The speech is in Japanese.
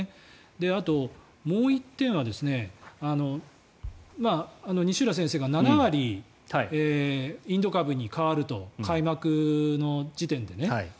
あと、もう１点は西浦先生が７割インド株に変わると開幕の時点でね。